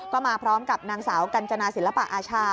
ก็มาพร้อมกับนางสาวกัญจนาศิลปะอาชา